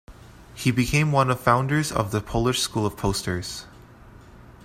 He became one of founders of the Polish School of Posters.